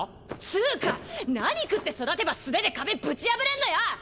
つぅか何食って育てば素手で壁ぶち破れんのよ